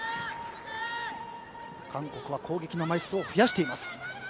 韓国は攻撃の枚数を増やしています。